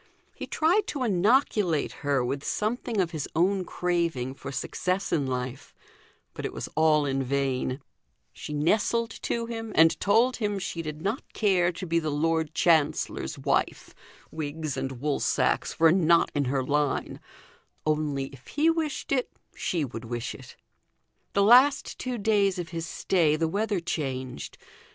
He tried to inoculate her with something of his own craving for success in life; but it was all in vain: she nestled to him, and told him she did not care to be the Lord Chancellor's wife wigs and wool sacks were not in her line; only if he wished it, she would wish it. The last two days of his stay the weather changed.